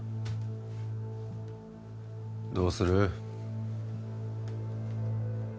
どうする？